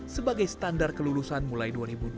sebagai standar kelulusan mulai dua ribu dua puluh